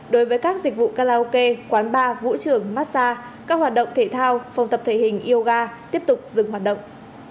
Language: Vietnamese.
đối với các dịch vụ karaoke quán bar vũ trường massage các hoạt động thể thao phòng tập thể hình yoga tiếp tục dừng hoạt động